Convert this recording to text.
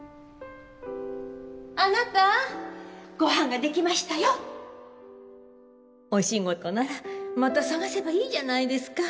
あなたご飯ができましたよお仕事ならまた探せばいいじゃないですか